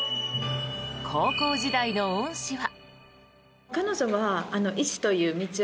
高校時代の恩師は。